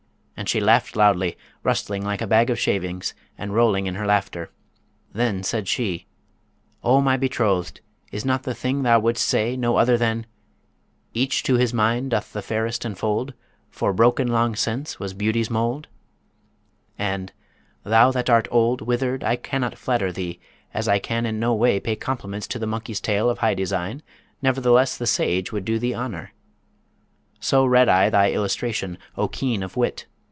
And she laughed loudly, rustling like a bag of shavings, and rolling in her laughter. Then said she, 'O my betrothed, is not the thing thou wouldst say no other than "Each to his mind doth the fairest enfold, For broken long since was Beauty's mould"; and, "Thou that art old, withered, I cannot flatter thee, as I can in no way pay compliments to the monkey's tail of high design; nevertheless the Sage would do thee honour"? So read I thy illustration, O keen of wit!